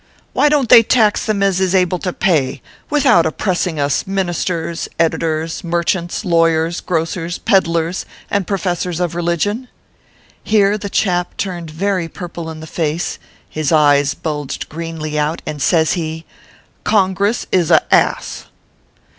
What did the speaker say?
Why don t they tax them as is able to pay, without oppressing us ministers, editors, merchants, lawyers, grocers, peddlers, and professors of religion ?" Here the chap turned very purple in the face, his eyes bulged greenly out, and says he :" Congress is a ass."